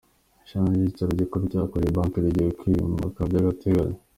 Ishami ry’icyicaro gikuru cya Cogebanque rigiye kwimuka by’agateganyo